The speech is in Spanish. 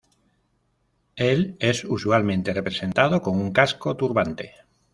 Él es usualmente representado con un casco-turbante.